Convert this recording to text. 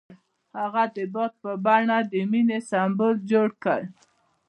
هغه د باد په بڼه د مینې سمبول جوړ کړ.